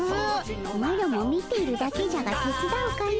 マロも見ているだけじゃがてつだうかの。